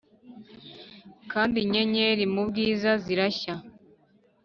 kandi inyenyeri mubwiza zirashya.